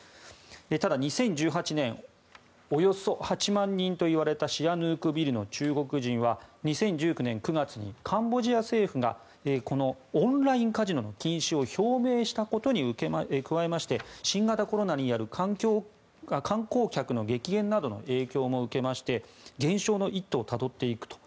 ただ、２０１８年およそ８万人といわれたシアヌークビルの中国人は２０１９年９月にカンボジア政府がオンラインカジノの禁止を表明したことに加えまして新型コロナによる、観光客の激減などの影響も受けまして減少の一途をたどっていくと。